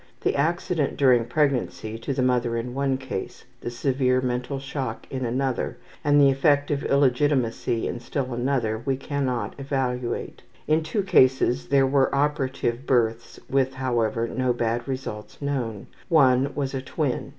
The accident during pregnancy to the mother in one case, the severe mental shock in another, and the effect of illegitimacy in still another we can not evaluate. In 2 cases there were operative births with, however, no bad results known. One was a twin.